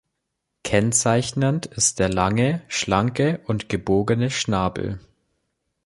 Kennzeichnend ist der lange, schlanke und gebogene Schnabel.